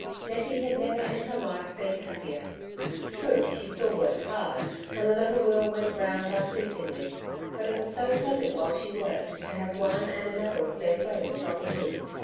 Nettie had never in her life been happier. True she still worked hard, and the little wheel went round unceasingly, but it was so pleasant while she worked to have one and another of their friends dropping in.